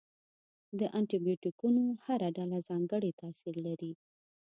د انټي بیوټیکونو هره ډله ځانګړی تاثیر لري.